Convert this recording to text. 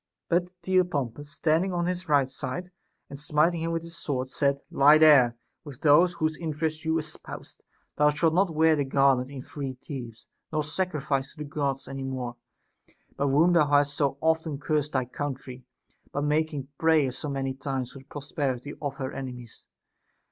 But Theopompus, standing on his right side and smiting him with his sword, said : Lie there, with those whose interest you espoused ; thou shalt not wear the garland in freed Thebes, nor sacrifice to the Gods any more, by whom thou hast so often curst thy country, by making prayers so many times for the pros perity of her enemies.